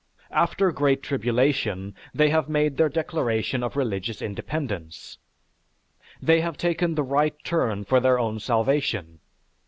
After great tribulation, they have made their declaration of religious independence. They have taken the right turn for their own salvation.